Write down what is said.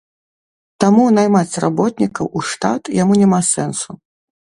Таму наймаць работнікаў у штат яму няма сэнсу.